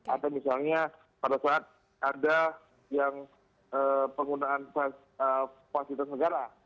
atau misalnya pada saat ada yang penggunaan fasilitas negara